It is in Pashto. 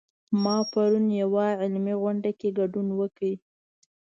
ما پرون یوه علمي غونډه کې ګډون وکړ